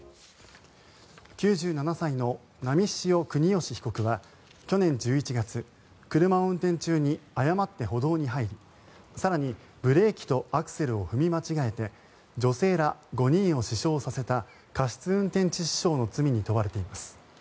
９７歳の波汐國芳被告は去年１１月車を運転中に誤って歩道に入り更に、ブレーキとアクセルを踏み間違えて女性ら５人を死傷させた過失運転致死傷の罪に問われています。